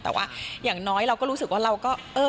แต่ว่าอย่างน้อยเราก็รู้สึกว่าเราก็เออ